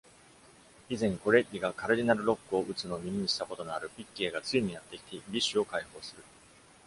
以前 Corelli が Cardinal Rocco を撃つのを耳にしたことのある Fitchie がついにやってきて Bish を解放する。